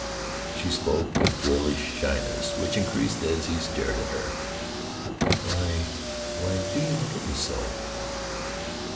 She spoke with girlish shyness, which increased as he stared at her. "Why why do you look at me so?"